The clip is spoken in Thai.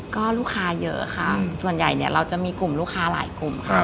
ก็ลูกค้าเยอะค่ะส่วนใหญ่เนี่ยเราจะมีกลุ่มลูกค้าหลายกลุ่มค่ะ